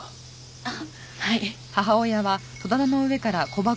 あっはい。